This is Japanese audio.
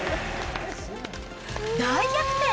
大逆転。